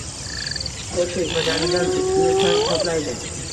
Qo‘l tegmaganidan ustini chang qoplaydi.